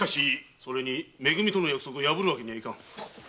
それに「め組」との約束を破るわけにはいかん。